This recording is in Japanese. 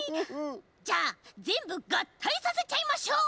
じゃあぜんぶがったいさせちゃいましょう！